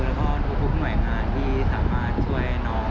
แล้วก็รู้สึกขอบคุณหน่อยมากที่สามารถช่วยน้อง